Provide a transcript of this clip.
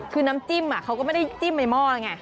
คือน้ำจิ้มเขาก็ไม่ได้จิ้มในหม้อแล้วไง